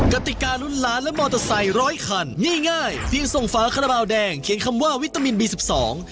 กติการุ้นล้านและมอเตอร์ไซค์ร้อยคันนี่ง่ายเพียงส่งฝาคาราบาลแดงเขียนคำว่าวิตามินบีสิบสอง